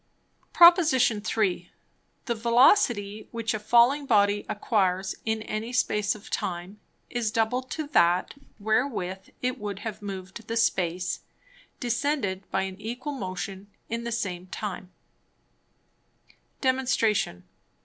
_ Prop. III. The Velocity which a falling Body acquires in any Space of time, is double to that, wherewith it would have moved the Space, descended by an equable Motion, in the same time. _Demonstration.